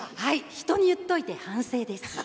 人に言っといて、反省です。